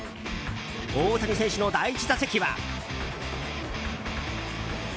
大谷選手の第１打席は。